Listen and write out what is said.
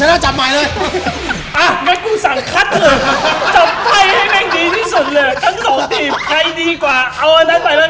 ให้ให้แม่งดีที่สุดเลย